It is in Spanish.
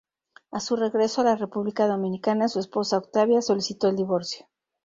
A su regreso a la República Dominicana, su esposa Octavia solicitó el divorcio.